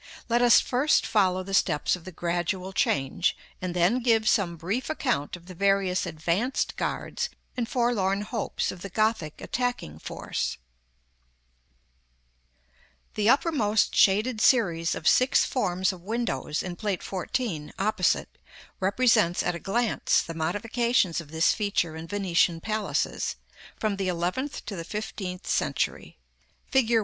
Let us first follow the steps of the gradual change, and then give some brief account of the various advanced guards and forlorn hopes of the Gothic attacking force. [Illustration: Plate XIV. THE ORDERS OF VENETIAN ARCHES.] § XXIV. The uppermost shaded series of six forms of windows in Plate XIV., opposite, represents, at a glance, the modifications of this feature in Venetian palaces, from the eleventh to the fifteenth century. Fig.